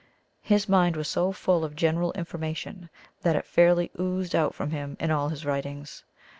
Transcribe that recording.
His mind was so full of general information that it fairly oozed out from him in all of his writings.